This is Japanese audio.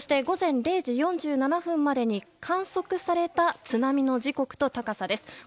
午前０時４７分までに観測された津波の時刻と高さです。